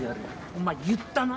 お前言ったな？